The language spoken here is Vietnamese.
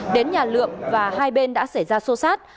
đến nhà lượm và hai bên đã xảy ra xô xát